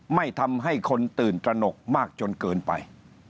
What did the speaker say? ไม่ทำให้คนตื่นตระหนกมากจนเกินไป